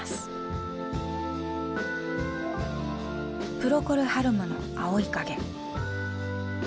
プロコル・ハルムの「青い影」。